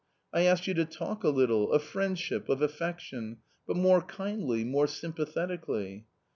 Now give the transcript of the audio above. I asked you to talk a little of friendship, of affection, but more kindly, more sympathetically."